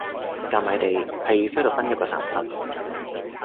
甲米地係菲律賓一個省份